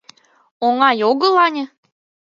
Оҥай огыл, ане?